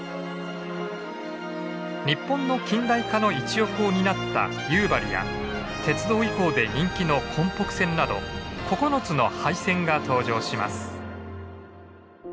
日本の近代化の一翼を担った夕張や鉄道遺構で人気の根北線など９つの廃線が登場します。